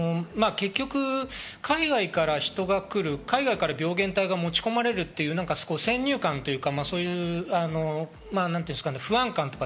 結局、海外から人が来る、海外から病原体が持ち込まれるという先入観というか、不安感とか、